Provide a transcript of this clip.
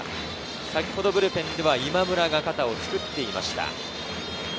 先ほどブルペンでは今村が肩を作っていました。